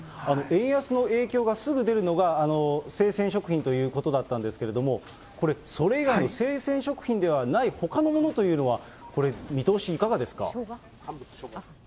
円安の影響がすぐ出るのが生鮮食品ということだったんですけれども、それ以外の生鮮食品ではないほかのものというのは、これ、見通し、いかがですか？